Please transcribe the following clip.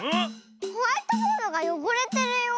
ホワイトボードがよごれてるよ。